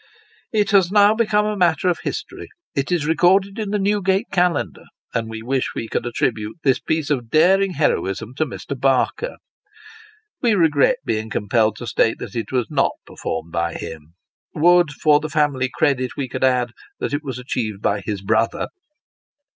It has now become matter of history ; it is recorded in the New gate Calendar ; and we wish we could attribute this piece of daring heroism to Mr. Barker. We regret being compelled to state that it was not performed by him. Would, for the family credit we could add, that it was achieved by his brother